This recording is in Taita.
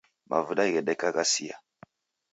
Mavuda ghedeka ghasia.